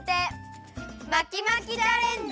まきまきチャレンジ！